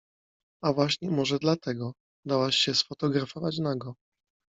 A właśnie może dlatego? Dałaś się sfotografować nago.